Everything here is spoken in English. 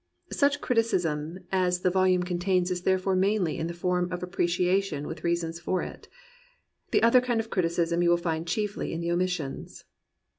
Such criticism as the volume contains is therefore mainly in the form of appreciation with reasons for it. The other kind of criticism you will find chiefly in the omissions.